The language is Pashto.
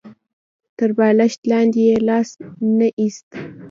تر بالښت لاندې يې لاس ننه ايست.